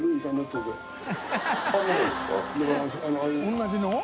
同じの？